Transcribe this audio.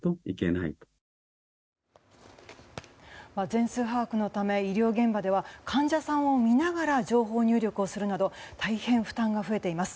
全数把握のため医療現場では患者さんを診ながら情報入力するなど大変負担が増えています。